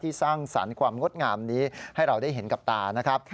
สร้างสรรค์ความงดงามนี้ให้เราได้เห็นกับตานะครับ